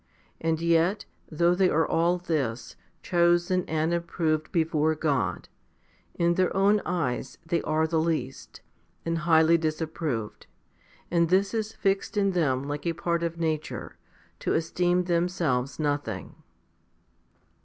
And yet, though they are all this, chosen and approved before God, in their own eyes they are the least, and highly disapproved ; and this is fixed in them like a part of nature, to esteem themselves nothing.